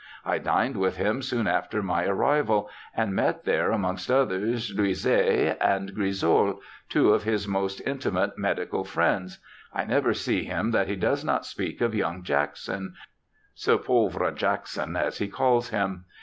I dined with him soon after my arrival, and met there, amongst others, Leuset and Grisolle, two of his most intimate medical friends. I never see him that he does not 'speak of young ]?iQkson—ce pauvre Jackson, as he calls him.